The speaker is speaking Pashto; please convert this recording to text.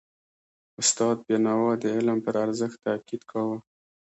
استاد بینوا د علم پر ارزښت تاکید کاوه.